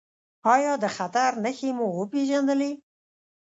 ایا د خطر نښې مو وپیژندلې؟